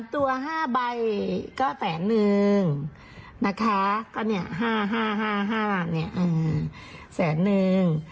๓ตัว๕ใบก็แสนหนึ่งนะคะก็เนี่ย๕๕๕๕แสนหนึ่ง